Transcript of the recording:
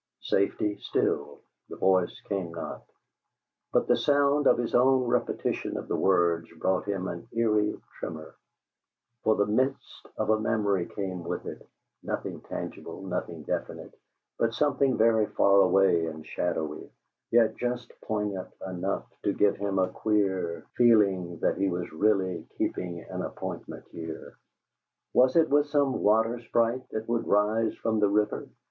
'" Safety still; the voice came not. But the sound of his own repetition of the words brought him an eerie tremor; for the mist of a memory came with it; nothing tangible, nothing definite, but something very far away and shadowy, yet just poignant enough to give him a queer feeling that he was really keeping an appointment here. Was it with some water sprite that would rise from the river?